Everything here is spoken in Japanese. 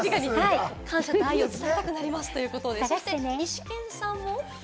感謝と愛を伝えたくなりますってことですね。